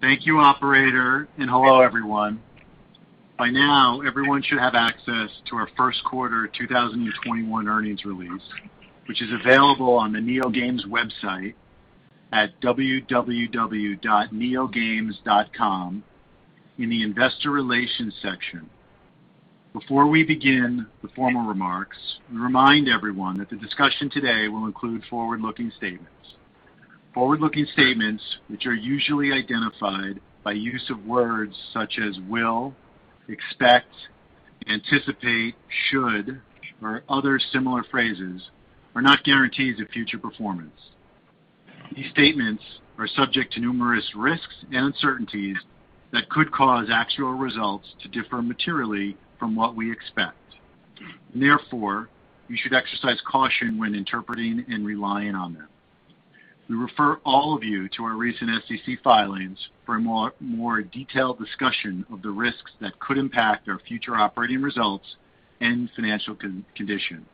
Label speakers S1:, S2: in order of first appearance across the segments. S1: Thank you, operator, and hello, everyone. By now, everyone should have access to our first quarter 2021 earnings release, which is available on the NeoGames website at www.neogames.com in the investor relations section. Before we begin the formal remarks, we remind everyone that the discussion today will include forward-looking statements. Forward-looking statements, which are usually identified by use of words such as will, expect, anticipate, should, or other similar phrases, are not guarantees of future performance. These statements are subject to numerous risks and uncertainties that could cause actual results to differ materially from what we expect. Therefore, you should exercise caution when interpreting and relying on them. We refer all of you to our recent SEC filings for a more detailed discussion of the risks that could impact our future operating results and financial condition.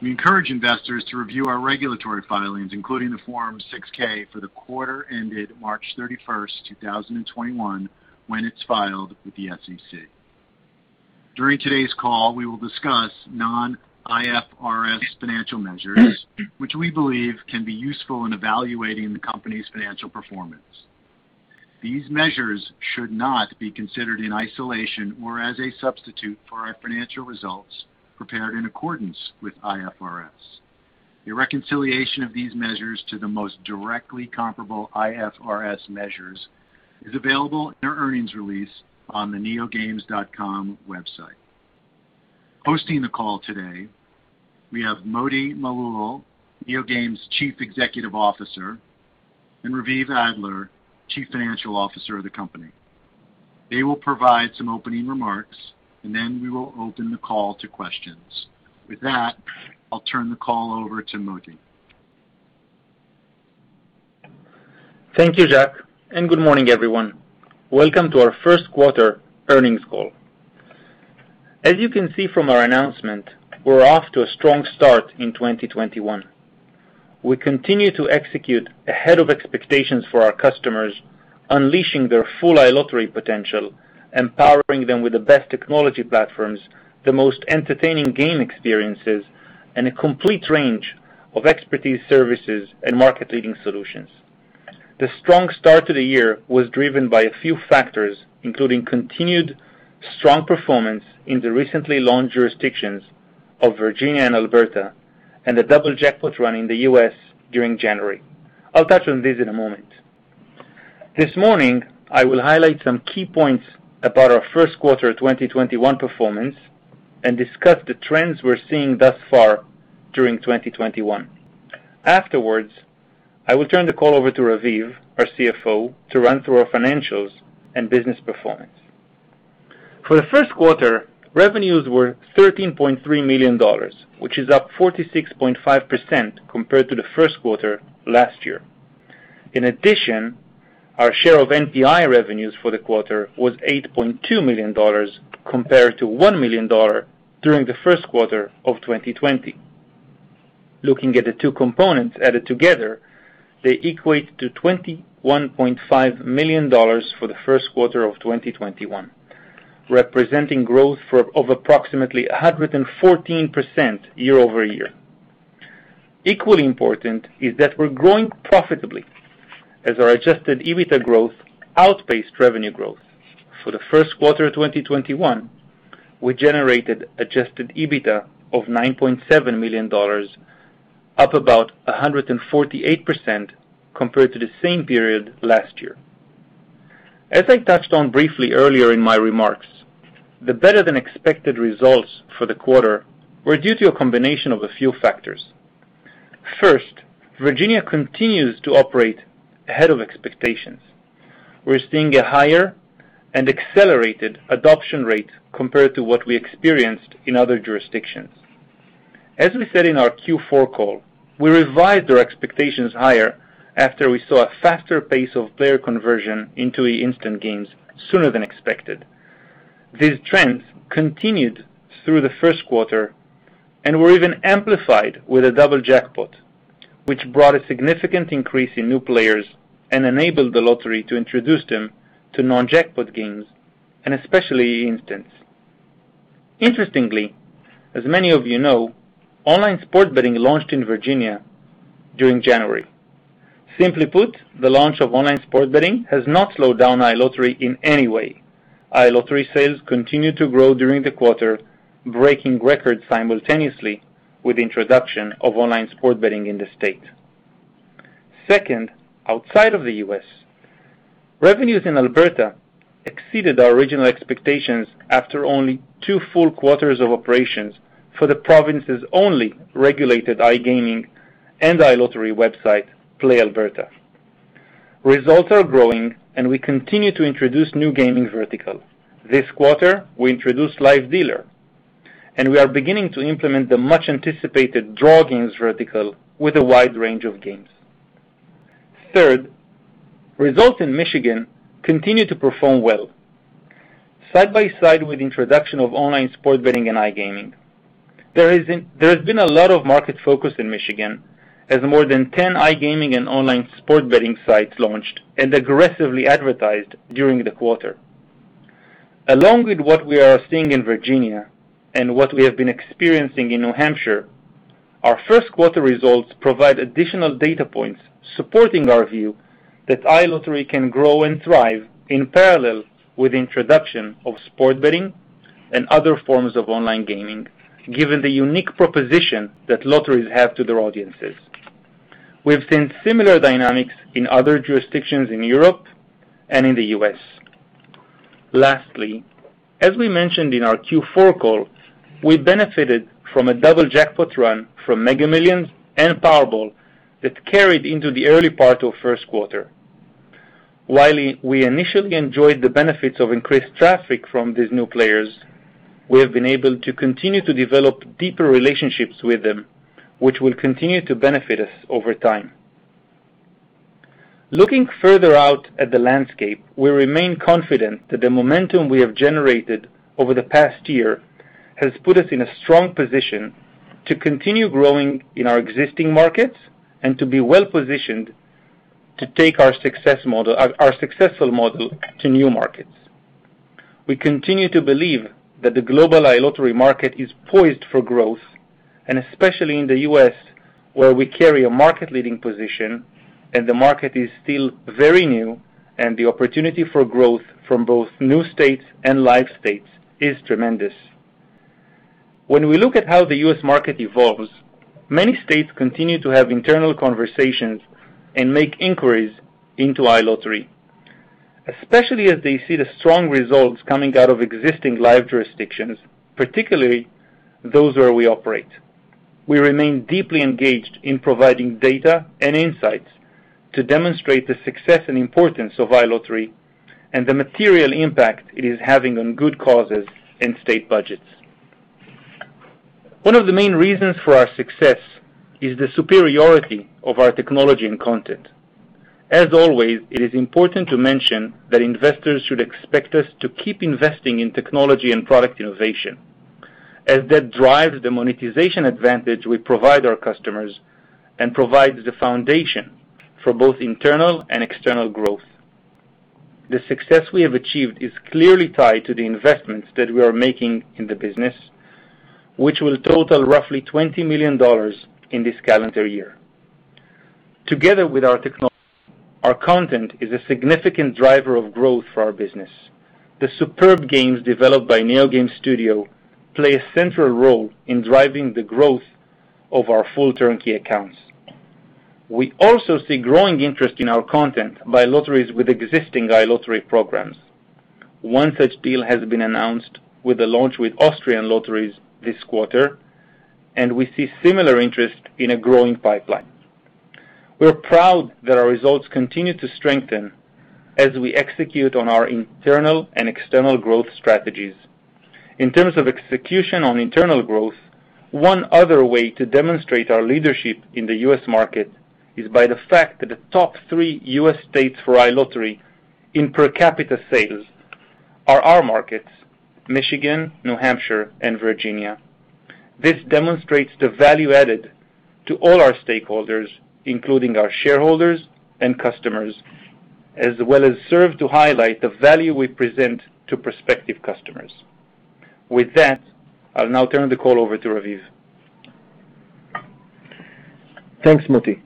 S1: We encourage investors to review our regulatory filings, including the Form 6-K for the quarter ended March 31st, 2021, when it is filed with the SEC. During today's call, we will discuss non-IFRS financial measures, which we believe can be useful in evaluating the company's financial performance. These measures should not be considered in isolation or as a substitute for our financial results prepared in accordance with IFRS. A reconciliation of these measures to the most directly comparable IFRS measures is available in our earnings release on the neogames.com website. Hosting the call today, we have Moti Malul, NeoGames Chief Executive Officer, and Raviv Adler, Chief Financial Officer of the company. They will provide some opening remarks, and then we will open the call to questions. With that, I will turn the call over to Moti.
S2: Thank you, Jack. Good morning, everyone. Welcome to our first quarter earnings call. As you can see from our announcement, we're off to a strong start in 2021. We continue to execute ahead of expectations for our customers, unleashing their full iLottery potential, empowering them with the best technology platforms, the most entertaining game experiences, and a complete range of expertise services and market leading solutions. The strong start to the year was driven by a few factors, including continued strong performance in the recently launched jurisdictions of Virginia and Alberta, the double jackpot run in the U.S. during January. I'll touch on this in a moment. This morning, I will highlight some key points about our first quarter 2021 performance and discuss the trends we're seeing thus far during 2021. Afterwards, I will turn the call over to Raviv, our CFO, to run through our financials and business performance. For the first quarter, revenues were $13.3 million, which is up 46.5% compared to the first quarter last year. Our share of NPI revenues for the quarter was $8.2 million compared to $1 million during the first quarter of 2020. Looking at the two components added together, they equate to $21.5 million for the first quarter of 2021, representing growth of approximately 114% year-over-year. Equally important is that we're growing profitably as our adjusted EBITDA growth outpaced revenue growth. For the first quarter of 2021, we generated adjusted EBITDA of $9.7 million, up about 148% compared to the same period last year. As I touched on briefly earlier in my remarks, the better-than-expected results for the quarter were due to a combination of a few factors. First, Virginia continues to operate ahead of expectations. We're seeing a higher and accelerated adoption rate compared to what we experienced in other jurisdictions. As we said in our Q4 call, we revised our expectations higher after we saw a faster pace of player conversion into eInstant games sooner than expected. These trends continued through the first quarter and were even amplified with a double jackpot, which brought a significant increase in new players and enabled the lottery to introduce them to non-jackpot games, and especially eInstants. Interestingly, as many of you know, online sports betting launched in Virginia during January. Simply put, the launch of online sports betting has not slowed down iLottery in any way. iLottery sales continued to grow during the quarter, breaking records simultaneously with the introduction of online sports betting in the state. Outside of the U.S., revenues in Alberta exceeded our original expectations after only two full quarters of operations for the province's only regulated iGaming and iLottery website, PlayAlberta. Results are growing. We continue to introduce new gaming vertical. This quarter, we introduced live dealer. We are beginning to implement the much-anticipated draw Games vertical with a wide range of games. Results in Michigan continue to perform well side by side with introduction of online sports betting and iGaming. There has been a lot of market focus in Michigan as more than 10 iGaming and online sports betting sites launched and aggressively advertised during the quarter. Along with what we are seeing in Virginia and what we have been experiencing in New Hampshire, our first quarter results provide additional data points supporting our view that iLottery can grow and thrive in parallel with introduction of sports betting and other forms of online gaming, given the unique proposition that lotteries have to their audiences. We've seen similar dynamics in other jurisdictions in Europe and in the U.S. Lastly, as we mentioned in our Q4 call, we benefited from a double jackpot run from Mega Millions and Powerball that carried into the early part of first quarter. While we initially enjoyed the benefits of increased traffic from these new players, we have been able to continue to develop deeper relationships with them, which will continue to benefit us over time. Looking further out at the landscape, we remain confident that the momentum we have generated over the past year has put us in a strong position to continue growing in our existing markets and to be well-positioned to take our successful model to new markets. We continue to believe that the global iLottery market is poised for growth, especially in the U.S., where we carry a market-leading position and the market is still very new and the opportunity for growth from both new states and live states is tremendous. When we look at how the U.S. market evolves, many states continue to have internal conversations and make inquiries into iLottery, especially as they see the strong results coming out of existing live jurisdictions, particularly those where we operate. We remain deeply engaged in providing data and insights to demonstrate the success and importance of iLottery and the material impact it is having on good causes and state budgets. One of the main reasons for our success is the superiority of our technology and content. As always, it is important to mention that investors should expect us to keep investing in technology and product innovation, as that drives the monetization advantage we provide our customers and provides the foundation for both internal and external growth. The success we have achieved is clearly tied to the investments that we are making in the business, which will total roughly $20 million in this calendar year. Together with our technology, our content is a significant driver of growth for our business. The superb games developed by NeoGames Studio play a central role in driving the growth of our full turnkey accounts. We also see growing interest in our content by lotteries with existing iLottery programs. One such deal has been announced with the launch with Austrian Lotteries this quarter. We see similar interest in a growing pipeline. We are proud that our results continue to strengthen as we execute on our internal and external growth strategies. In terms of execution on internal growth, one other way to demonstrate our leadership in the U.S. market is by the fact that the top three U.S. states for iLottery in per capita sales are our markets, Michigan, New Hampshire, and Virginia. This demonstrates the value added to all our stakeholders, including our shareholders and customers, as well as serve to highlight the value we present to prospective customers. With that, I'll now turn the call over to Raviv.
S3: Thanks, Moti.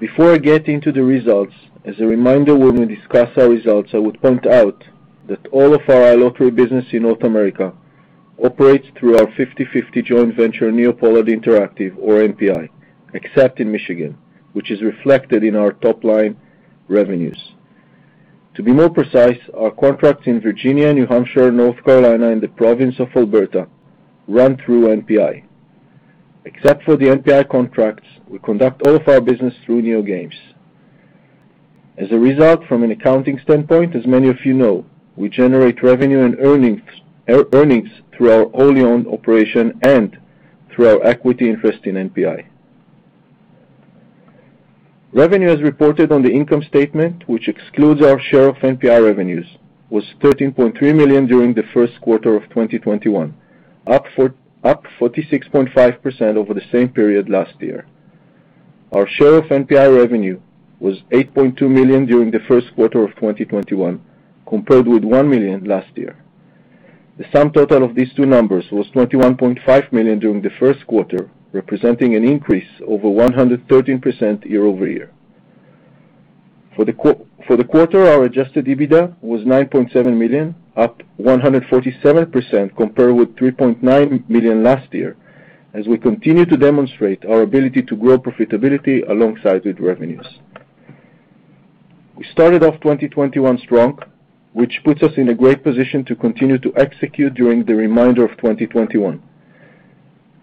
S3: Before I get into the results, as a reminder, when we discuss our results, I would point out that all of our iLottery business in North America operates through our 50/50 joint venture, NeoPollard Interactive or NPI, except in Michigan, which is reflected in our top-line revenues. To be more precise, our contracts in Virginia, New Hampshire, North Carolina, and the province of Alberta run through NPI. Except for the NPI contracts, we conduct all of our business through NeoGames. As a result, from an accounting standpoint, as many of you know, we generate revenue and earnings through our wholly owned operation and through our equity interest in NPI. Revenue as reported on the income statement, which excludes our share of NPI revenues, was $13.3 million during the first quarter of 2021, up 46.5% over the same period last year. Our share of NPI revenue was $8.2 million during the first quarter of 2021, compared with $1 million last year. The sum total of these two numbers was $21.5 million during the first quarter, representing an increase over 113% year-over-year. For the quarter, our adjusted EBITDA was $9.7 million, up 147% compared with $3.9 million last year, as we continue to demonstrate our ability to grow profitability alongside with revenues. We started off 2021 strong, which puts us in a great position to continue to execute during the remainder of 2021.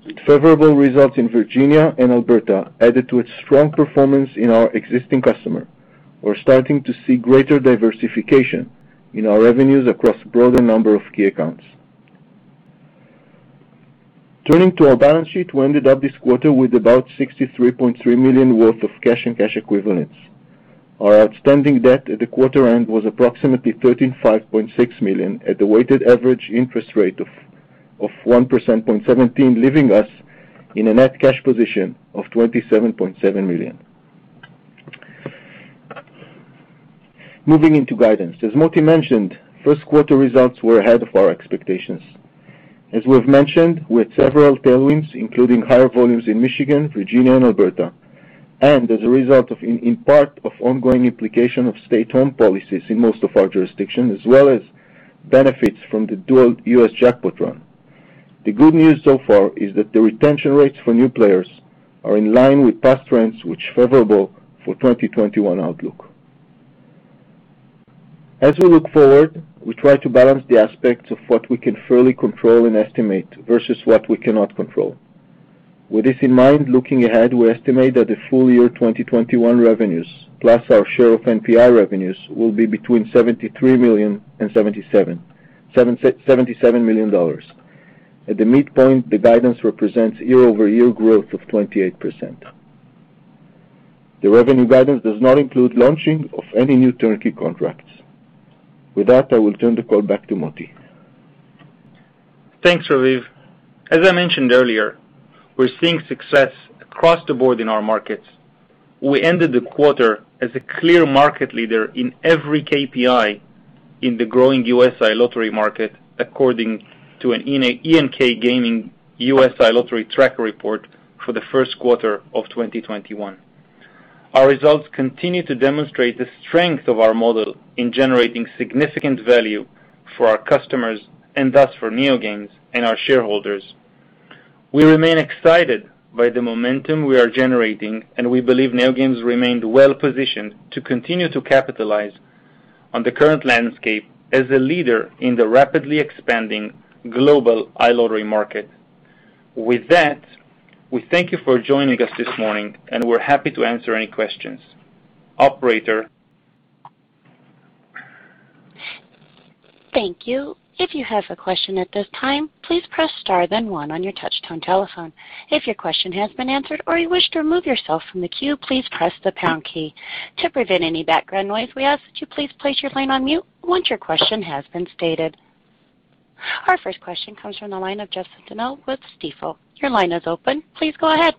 S3: With favorable results in Virginia and Alberta added to its strong performance in our existing customer. We're starting to see greater diversification in our revenues across a broader number of key accounts. Turning to our balance sheet, we ended up this quarter with about $63.3 million worth of cash and cash equivalents. Our outstanding debt at the quarter end was approximately $135.6 million at a weighted average interest rate of 1.17%, leaving us in a net cash position of $27.7 million. Moving into guidance. As Moti mentioned, first quarter results were ahead of our expectations. As we have mentioned, we had several tailwinds, including higher volumes in Michigan, Virginia, and Alberta, and as a result in part of ongoing implication of stay-at-home policies in most of our jurisdictions, as well as benefits from the dual U.S. jackpot run. The good news so far is that the retention rates for new players are in line with past trends, which favorable for 2021 outlook. As we look forward, we try to balance the aspects of what we can fairly control and estimate versus what we cannot control. With this in mind, looking ahead, we estimate that the full year 2021 revenues, plus our share of NPI revenues, will be between $73 million and $77 million. At the midpoint, the guidance represents year-over-year growth of 28%. The revenue guidance does not include launching of any new turnkey contracts. With that, I will turn the call back to Moti.
S2: Thanks, Raviv. As I mentioned earlier, we're seeing success across the board in our markets. We ended the quarter as a clear market leader in every KPI in the growing U.S. iLottery market, according to an Eilers & Krejcik Gaming U.S. iLottery tracker report for the first quarter of 2021. Our results continue to demonstrate the strength of our model in generating significant value for our customers, and thus for NeoGames and our shareholders. We remain excited by the momentum we are generating, and we believe NeoGames remained well-positioned to continue to capitalize on the current landscape as a leader in the rapidly expanding global iLottery market. With that, we thank you for joining us this morning, and we're happy to answer any questions. Operator.
S4: Thank you. If you have a question at this time, please press star then one on your touch-tone telephone. If your question has been answered or you wish to remove yourself from the queue, please press the pound key. To prevent any background noise, we ask that you please place your phone on mute once your question has been stated. Our first question comes from the line of Jeff Donnell with Stifel. Your line is open. Please go ahead.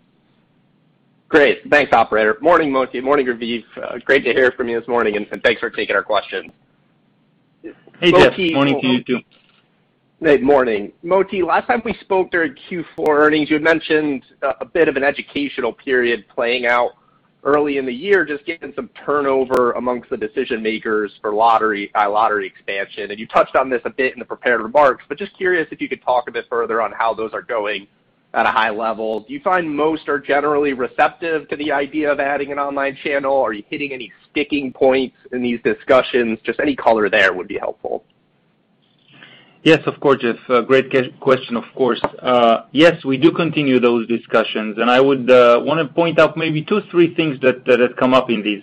S5: Great. Thanks, operator. Morning, Moti. Morning, Raviv. Great to hear from you this morning, and thanks for taking our questions.
S2: Hey, Jeff. Morning to you, too.
S5: Good morning. Moti, last time we spoke during Q4 earnings, you had mentioned a bit of an educational period playing out early in the year, just getting some turnover amongst the decision-makers for iLottery expansion, and you touched on this a bit in the prepared remarks, but just curious if you could talk a bit further on how those are going at a high level. Do you find most are generally receptive to the idea of adding an online channel? Are you hitting any sticking points in these discussions? Just any color there would be helpful.
S2: Yes, of course, Jeff. Great question. We do continue those discussions. I would want to point out maybe two or three things that have come up in these.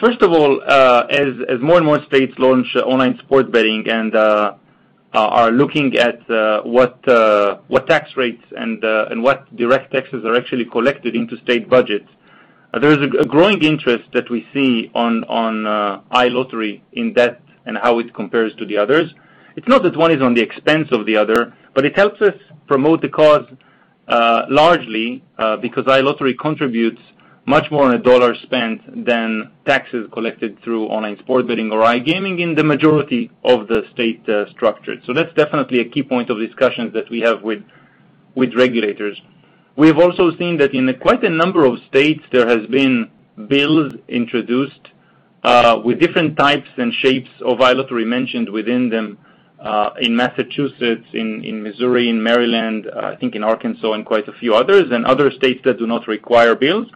S2: First of all, as more and more states launch online sports betting and are looking at what tax rates and what direct taxes are actually collected into state budgets, there is a growing interest that we see on iLottery in depth and how it compares to the others. It's not that one is on the expense of the other, but it helps us promote the cause largely because iLottery contributes much more on a dollar spent than taxes collected through online sports betting or iGaming in the majority of the state structures. That's definitely a key point of discussions that we have with regulators. We have also seen that in quite a number of states, there has been bills introduced with different types and shapes of iLottery mentioned within them, in Massachusetts, in Missouri, in Maryland, I think in Arkansas and quite a few others, and other states that do not require bills.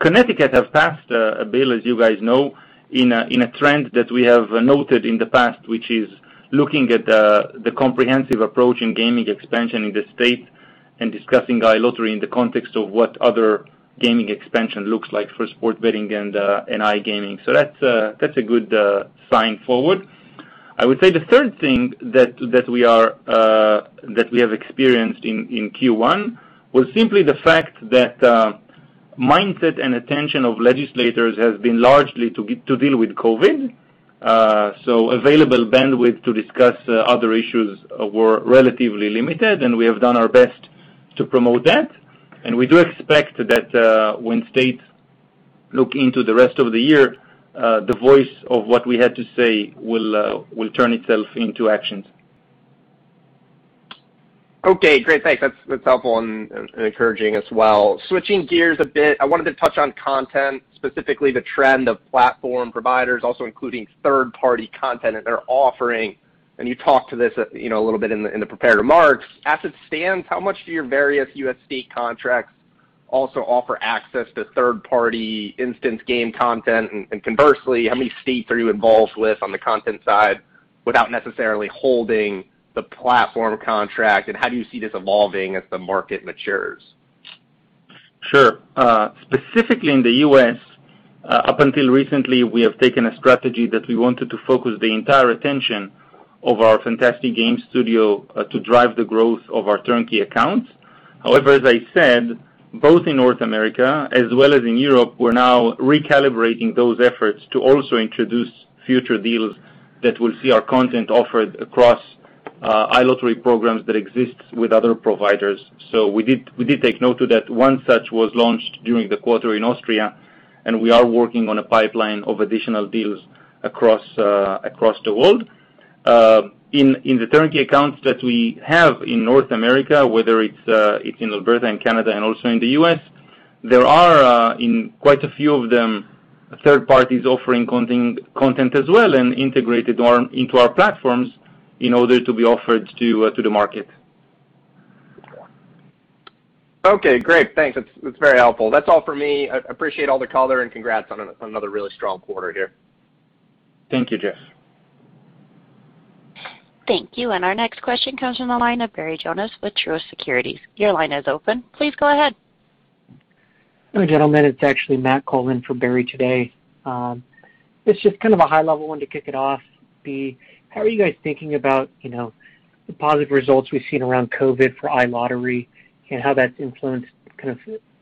S2: Connecticut have passed a bill, as you guys know, in a trend that we have noted in the past, which is looking at the comprehensive approach in gaming expansion in the state and discussing iLottery in the context of what other gaming expansion looks like for sports betting and iGaming. That's a good sign forward. I would say the third thing that we have experienced in Q1 was simply the fact that mindset and attention of legislators has been largely to deal with COVID. Available bandwidth to discuss other issues were relatively limited, and we have done our best to promote that, and we do expect that when states look into the rest of the year, the voice of what we had to say will turn itself into actions.
S5: Okay, great. Thanks. That's helpful and encouraging as well. Switching gears a bit, I wanted to touch on content, specifically the trend of platform providers, also including third-party content that they're offering, and you talked to this a little bit in the prepared remarks. As it stands, how much do your various U.S. state contracts also offer access to third-party eInstant game content? Conversely, how many states are you involved with on the content side without necessarily holding the platform contract? How do you see this evolving as the market matures?
S2: Sure. Specifically in the U.S., up until recently, we have taken a strategy that we wanted to focus the entire attention of our fantastic NeoGames Studio to drive the growth of our turnkey accounts. However, as I said, both in North America as well as in Europe, we're now recalibrating those efforts to also introduce future deals that will see our content offered across iLottery programs that exist with other providers. We did take note that one such was launched during the quarter in Austria, and we are working on a pipeline of additional deals across the world. In the turnkey accounts that we have in North America, whether it's in Alberta and Canada and also in the U.S., there are, in quite a few of them, third parties offering content as well and integrated into our platforms in order to be offered to the market.
S5: Okay, great. Thanks. That's very helpful. That's all for me. I appreciate all the color, and congrats on another really strong quarter here.
S2: Thank you, Jeff.
S4: Thank you. Our next question comes from the line of Barry Jonas with Truist Securities. Your line is open. Please go ahead.
S6: Hi, gentlemen. It's actually Matthew Coleman for Barry today. It's just kind of a high-level one to kick it off. How are you guys thinking about the positive results we've seen around COVID for iLottery and how that's influenced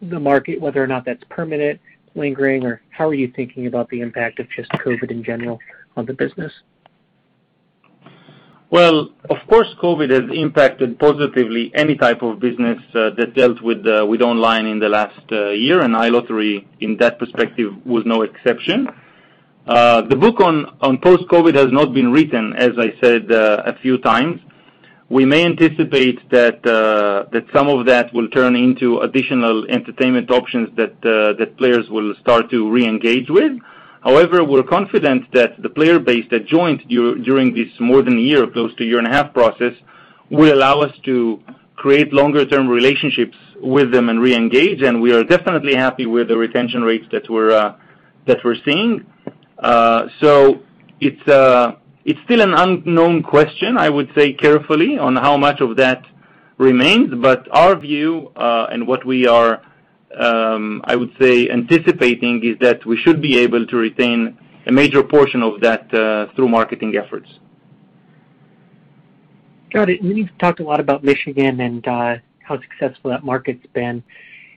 S6: the market, whether or not that's permanent, lingering, or how are you thinking about the impact of just COVID in general on the business?
S2: Well, of course, COVID has impacted positively any type of business that dealt with online in the last year, and iLottery, in that perspective, was no exception. The book on post-COVID has not been written, as I said a few times. We may anticipate that some of that will turn into additional entertainment options that players will start to reengage with. We're confident that the player base that joined during this more than a year, close to a year-and-a-half process, will allow us to create longer-term relationships with them and reengage, and we are definitely happy with the retention rates that we're seeing. It's still an unknown question, I would say carefully, on how much of that remains, but our view, and what we are, I would say, anticipating, is that we should be able to retain a major portion of that through marketing efforts.
S6: Got it. You've talked a lot about Michigan and how successful that market's been.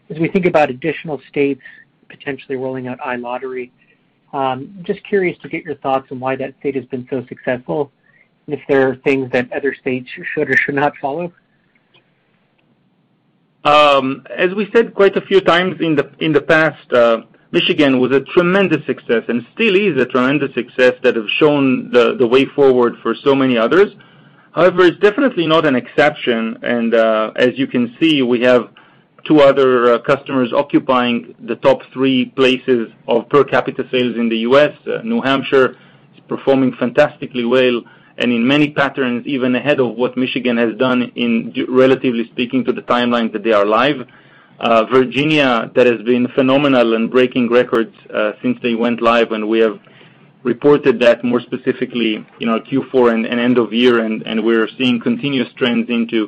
S6: As we think about additional states potentially rolling out iLottery, just curious to get your thoughts on why that state has been so successful and if there are things that other states should or should not follow.
S2: As we said quite a few times in the past, Michigan was a tremendous success and still is a tremendous success that has shown the way forward for so many others. It's definitely not an exception, and as you can see, we have two other customers occupying the top three places of per capita sales in the U.S. New Hampshire is performing fantastically well, and in many patterns, even ahead of what Michigan has done in relatively speaking to the timeline that they are live. Virginia, that has been phenomenal and breaking records since they went live, and we have reported that more specifically in our Q4 and end of year, and we're seeing continuous trends into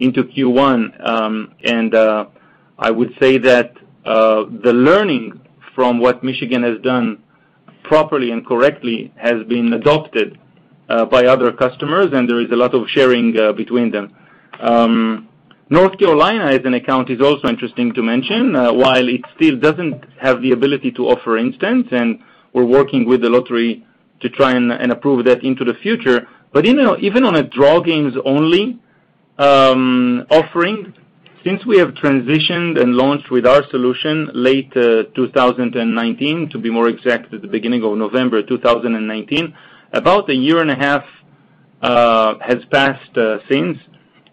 S2: Q1. I would say that the learning from what Michigan has done properly and correctly has been adopted by other customers, and there is a lot of sharing between them. North Carolina as an account is also interesting to mention. While it still doesn't have the ability to offer instant, and we're working with the lottery to try and approve that into the future. But even on a draw games-only offering, since we have transitioned and launched with our solution late 2019, to be more exact, at the beginning of November 2019, about a year and a half has passed since,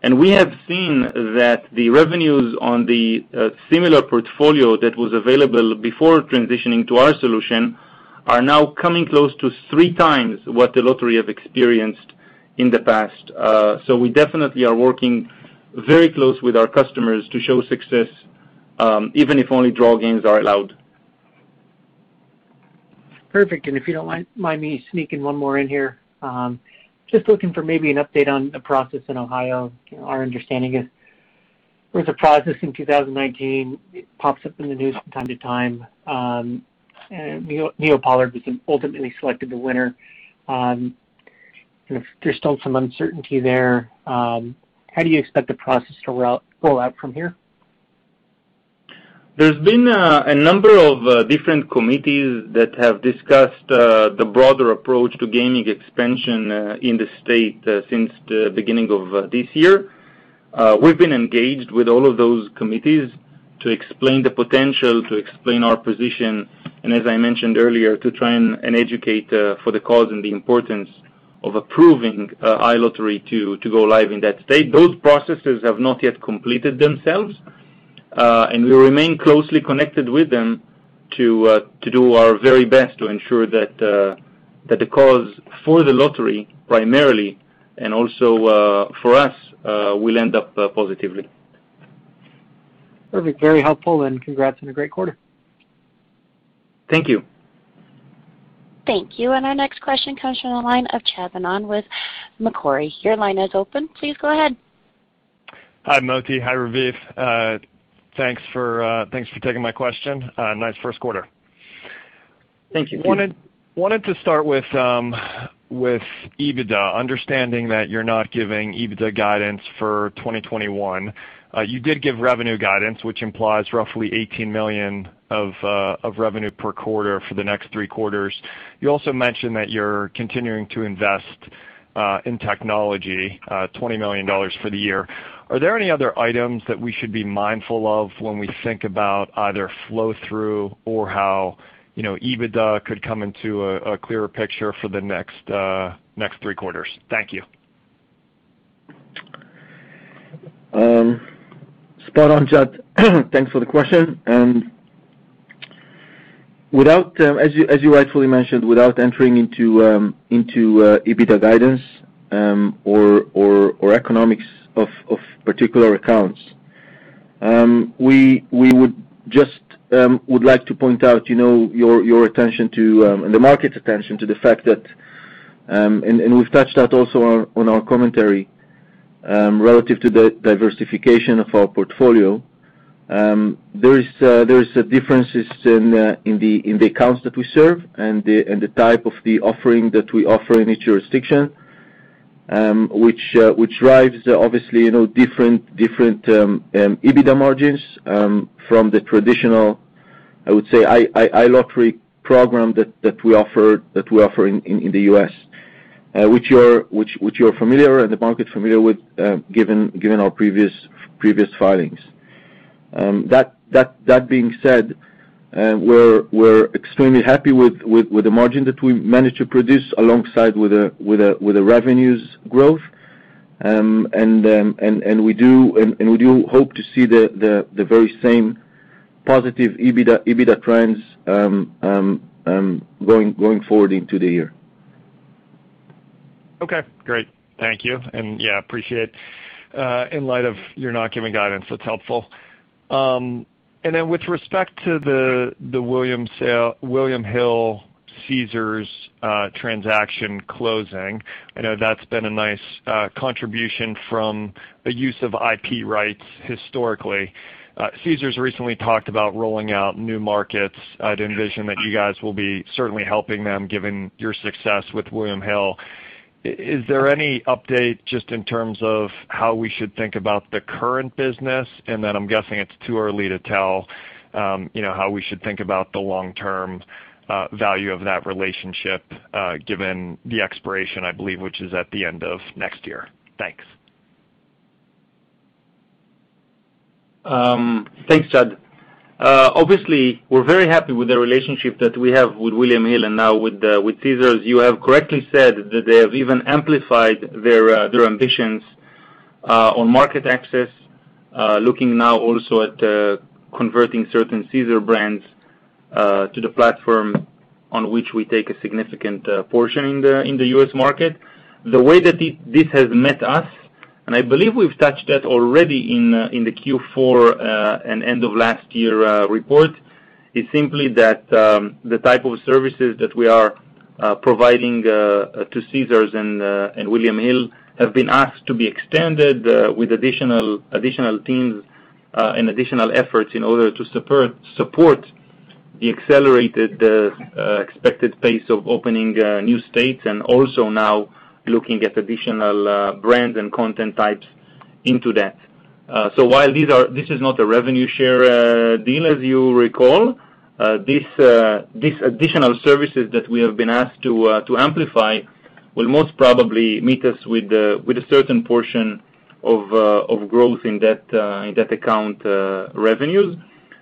S2: and we have seen that the revenues on the similar portfolio that was available before transitioning to our solution are now coming close to three times what the lottery have experienced in the past. So we definitely are working very close with our customers to show success, even if only draw games are allowed.
S6: Perfect. If you don't mind me sneaking one more in here. Just looking for maybe an update on the process in Ohio. Our understanding is there was a process in 2019. It pops up in the news from time to time. NeoPollard was ultimately selected the winner. There's still some uncertainty there. How do you expect the process to roll out from here?
S2: There's been a number of different committees that have discussed the broader approach to gaming expansion in the state since the beginning of this year. We've been engaged with all of those committees to explain the potential, to explain our position, and as I mentioned earlier, to try and educate for the cause and the importance of approving iLottery to go live in that state. Those processes have not yet completed themselves. We remain closely connected with them to do our very best to ensure that the cause for the lottery primarily, and also for us, will end up positively.
S6: Perfect. Very helpful, and congrats on a great quarter.
S2: Thank you.
S4: Thank you. Our next question comes from the line of Chad Beynon with Macquarie. Your line is open. Please go ahead.
S7: Hi, Moti. Hi, Raviv. Thanks for taking my question. Nice first quarter.
S2: Thank you.
S7: Wanted to start with EBITDA, understanding that you're not giving EBITDA guidance for 2021. You did give revenue guidance, which implies roughly $18 million of revenue per quarter for the next three quarters. You also mentioned that you're continuing to invest in technology, $20 million for the year. Are there any other items that we should be mindful of when we think about either flow-through or how EBITDA could come into a clearer picture for the next three quarters? Thank you.
S3: Spot on, Chad. Thanks for the question. As you rightfully mentioned, without entering into EBITDA guidance or economics of particular accounts, we would like to point out your attention to, and the market's attention to the fact that, we've touched that also on our commentary, relative to the diversification of our portfolio. There is differences in the accounts that we serve and the type of the offering that we offer in each jurisdiction, which drives obviously different EBITDA margins from the traditional, I would say, iLottery program that we offer in the U.S., which you're familiar with, and the market's familiar with, given our previous filings. That being said, we're extremely happy with the margin that we managed to produce alongside with the revenues growth. We do hope to see the very same positive EBITDA trends going forward into the year.
S7: Okay, great. Thank you. Yeah, appreciate in light of your not giving guidance, that's helpful. With respect to the William Hill Caesars transaction closing, I know that's been a nice contribution from a use of IP rights historically. Caesars recently talked about rolling out new markets. I'd envision that you guys will be certainly helping them, given your success with William Hill. Is there any update just in terms of how we should think about the current business? Then I'm guessing it's too early to tell how we should think about the long-term value of that relationship, given the expiration, I believe, which is at the end of next year. Thanks.
S2: Thanks, Chad. Obviously, we're very happy with the relationship that we have with William Hill and now with Caesars. You have correctly said that they have even amplified their ambitions on market access, looking now also at converting certain Caesars brands to the platform on which we take a significant portion in the U.S. market. The way that this has met us, and I believe we've touched that already in the Q4 and end of last year report, is simply that the type of services that we are providing to Caesars and William Hill have been asked to be extended with additional teams and additional efforts in order to support the accelerated expected pace of opening new states and also now looking at additional brands and content types into that. While this is not a revenue share deal, as you recall, these additional services that we have been asked to amplify will most probably meet us with a certain portion of growth in that account revenues.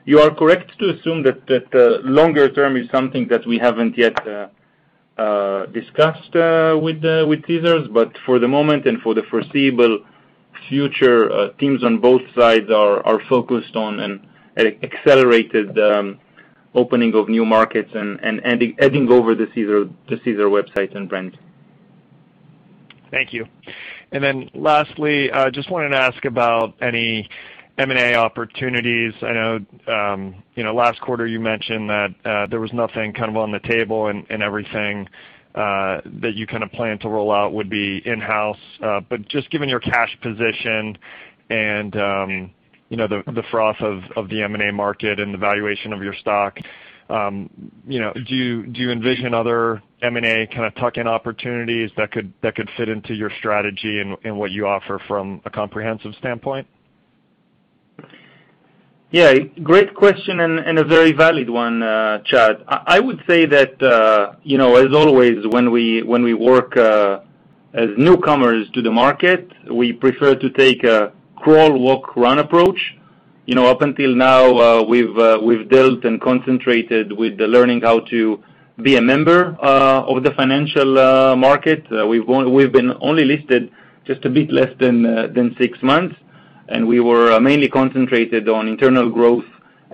S2: You are correct to assume that longer term is something that we haven't yet discussed with Caesars. For the moment and for the foreseeable future, teams on both sides are focused on an accelerated opening of new markets and adding over the Caesars websites and brands.
S7: Thank you. Lastly, just wanted to ask about any M&A opportunities. I know last quarter you mentioned that there was nothing on the table and everything that you plan to roll out would be in-house. Just given your cash position and the froth of the M&A market and the valuation of your stock, do you envision other M&A tuck-in opportunities that could fit into your strategy and what you offer from a comprehensive standpoint?
S2: Yeah. Great question and a very valid one, Chad. I would say that, as always, when we work as newcomers to the market, we prefer to take a crawl, walk, run approach. Up until now, we've dealt and concentrated with the learning how to be a member of the financial market. We've been only listed just a bit less than six months, and we were mainly concentrated on internal growth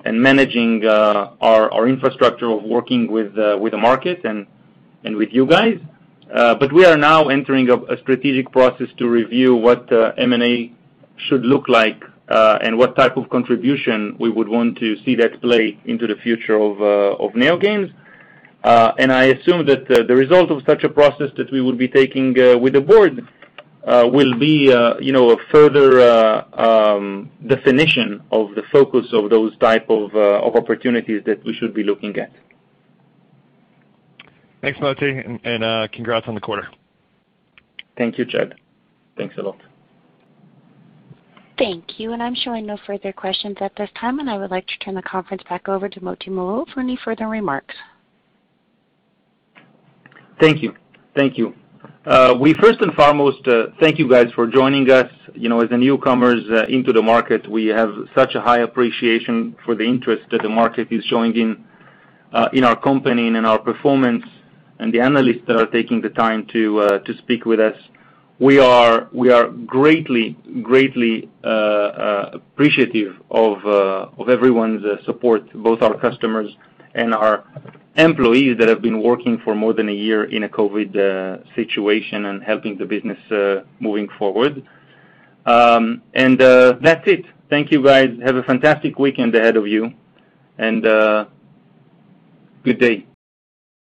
S2: and managing our infrastructure of working with the market and with you guys. We are now entering a strategic process to review what M&A should look like and what type of contribution we would want to see that play into the future of NeoGames. I assume that the result of such a process that we will be taking with the board will be a further definition of the focus of those type of opportunities that we should be looking at.
S7: Thanks, Moti, and congrats on the quarter.
S2: Thank you, Chad. Thanks a lot.
S4: Thank you. I'm showing no further questions at this time, and I would like to turn the conference back over to Moti Malul for any further remarks.
S2: Thank you. We first and foremost thank you guys for joining us. As a newcomers into the market, we have such a high appreciation for the interest that the market is showing in our company and in our performance, and the analysts that are taking the time to speak with us. We are greatly appreciative of everyone's support, both our customers and our employees that have been working for more than a year in a COVID situation and helping the business moving forward. That's it. Thank you, guys. Have a fantastic weekend ahead of you. Good day.